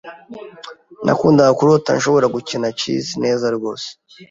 Nakundaga kurota nshobora gukina chess neza rwose.